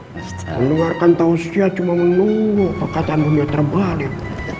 mengeluarkan tausia cuma menunggu perkataan dunia terbalik